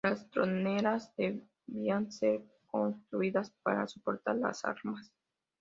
Las troneras debían ser construidas para soportar las armas.